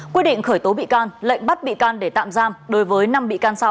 quyết định khởi tố bị can lệnh bắt bị can để tạm giam đối với năm bị can sau